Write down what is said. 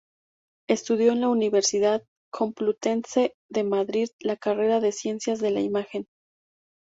Estudió en la Universidad Complutense de Madrid la carrera de Ciencias de la Imagen.